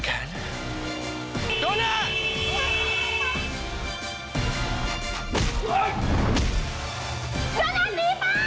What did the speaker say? โดน่าหนีไป